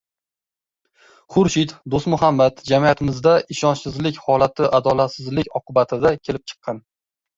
Xurshid Do‘stmuhammad: "Jamiyatimizda ishonchsizlik holati adolatsizlik oqibatida kelib chiqqan..."